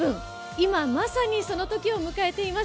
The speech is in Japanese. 今まさにそのときを迎えています。